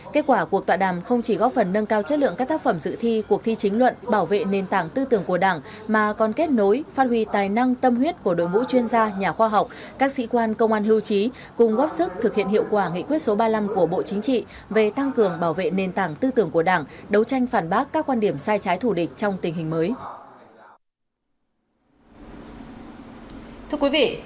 kết quả cuộc tọa đàm không chỉ góp phần nâng cao chất lượng các tác phẩm dự thi cuộc thi chính luận bảo vệ nền tảng tư tưởng của đảng mà còn kết nối phát huy tài năng tâm huyết của đội ngũ chuyên gia nhà khoa học các sĩ quan công an hưu trí cùng góp sức thực hiện hiệu quả nghị quyết số ba mươi năm của bộ chính trị về tăng cường bảo vệ nền tảng tư tưởng của đảng đấu tranh phản bác các quan điểm sai trái thù địch trong tình hình mới